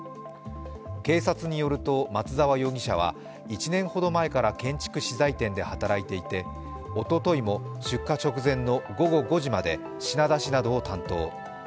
警察によると松沢容疑者は１年ほど前から建築資材店で働いていて、おとといも出火直前の午後５時まで品出しなどを担当。